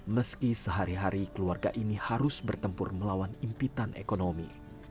meski sehari hari keluarga ini harus bertempur melawan impitan ekonomi